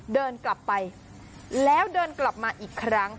เดินกลับไปแล้วเดินกลับมาอีกครั้ง